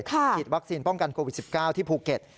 ฉีดวัคซีนป้องกันโควิด๑๙ที่ภูเก็ต